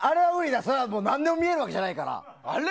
何でも見えるわけじゃないから。